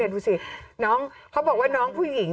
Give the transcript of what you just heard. ดูสิน้องเขาบอกว่าน้องผู้หญิง